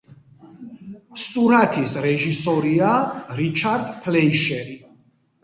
სურათის რეჟისორია რიჩარდ ფლეიშერი.